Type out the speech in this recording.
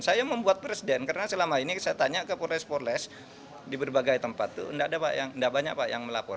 saya membuat presiden karena selama ini saya tanya ke polres polres di berbagai tempat itu tidak banyak pak yang melapor